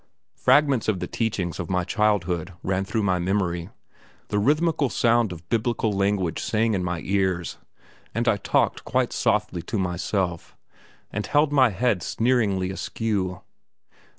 Fragments of the teachings of my childhood ran through my memory. The rhythmical sound of Biblical language sang in my ears, and I talked quite softly to myself, and held my head sneeringly askew.